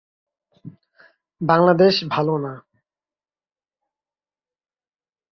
তিনি অ্যাঞ্জেলা রামোসের সাথে যুক্ত একজন কঠিন নারী মতাধিকারবাদী ছিলেন।